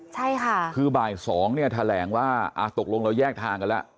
ใช่ค่ะคือบ่ายสองเนี่ยแถลงว่าอ่าตกลงเราแยกทางกันแล้ว